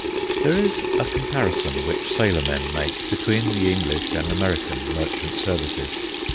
There is a comparison which sailormen make between the English and American merchant services.